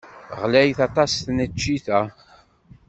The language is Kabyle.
Ɣlayet aṭas tneččit-a.